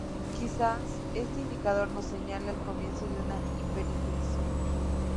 Quizás este indicador nos señala el comienzo de una hiperinflación.